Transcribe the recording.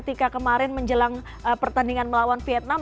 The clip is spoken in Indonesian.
ketika kemarin menjelang pertandingan melawan vietnam